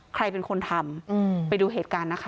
ใครเป็นคนทำไปดูเหตุการณ์นะคะ